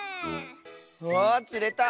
わつれた！